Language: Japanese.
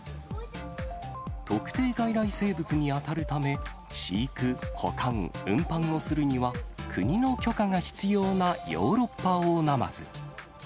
特定外来生物に当たるため、飼育、保管、運搬をするには、国の許可が必要なヨーロッパオオナマズ。